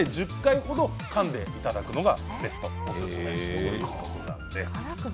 辛みを感じるまで１０回ほどかんでいただくのがベストおすすめということなんです。